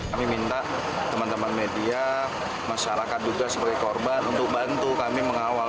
kami minta teman teman media masyarakat juga sebagai korban untuk bantu kami mengawal